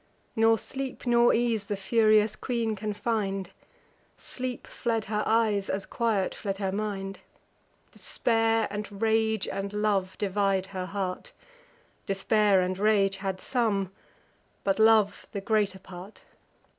Nor sleep nor ease the furious queen can find; Sleep fled her eyes, as quiet fled her mind. Despair, and rage, and love divide her heart; Despair and rage had some, but love the greater part.